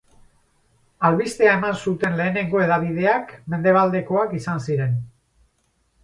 Albistea eman zuten lehenengo hedabideak mendebaldekoak izan ziren.